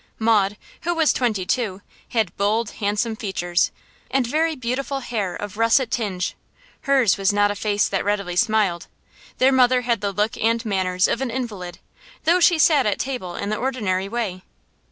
Maud, who was twenty two, had bold, handsome features, and very beautiful hair of russet tinge; hers was not a face that readily smiled. Their mother had the look and manners of an invalid, though she sat at table in the ordinary way.